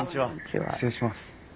失礼します。